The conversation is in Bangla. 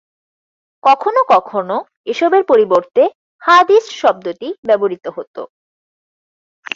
কখনও কখনও এসবের পরিবর্তে "হাদীস" শব্দটি ব্যবহৃত হত।